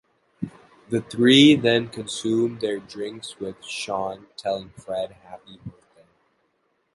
The three than consume their drinks with Shaun telling Fred happy birthday.